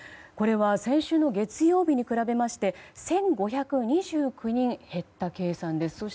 これは先週の月曜日に比べまして１５２９人減った計算です。